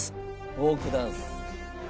フォークダンス。